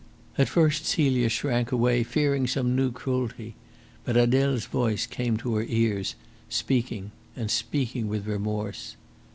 At first Celia shrank away, fearing some new cruelty. But Adele's voice came to her ears, speaking and speaking with remorse.